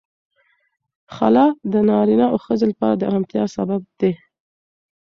خلع د نارینه او ښځې لپاره د آرامتیا سبب دی.